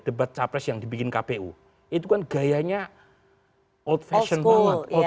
debat capres yang dibikin kpu itu kan gayanya old fashion banget